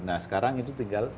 nah sekarang itu tinggal